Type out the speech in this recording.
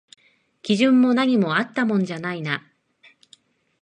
基準も何もあったもんじゃないな